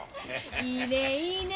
いいねえいいねえ！